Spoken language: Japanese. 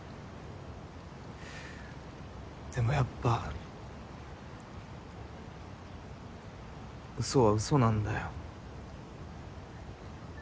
でもやっぱうそはうそなんだよ。